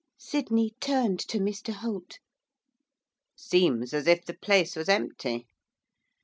Sydney turned to Mr Holt. 'Seems as if the place was empty.